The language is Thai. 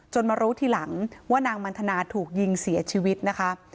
มารู้ทีหลังว่านางมันทนาถูกยิงเสียชีวิตนะคะ